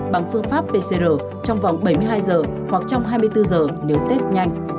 bằng phương pháp pcr trong vòng bảy mươi hai giờ hoặc trong hai mươi bốn giờ nếu test nhanh